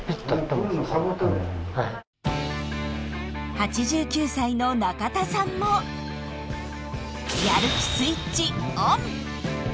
８９歳の中田さんもやる気スイッチＯＮ！